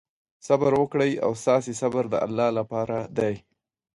صبر وکړئ او ستاسې صبر د الله لپاره دی.